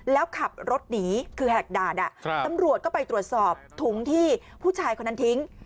แล้วขับรถหนีคือแหกด่านตำรวจก็ไปตรวจสอบถุงที่ผู้ชายคนนั้นทิ้ง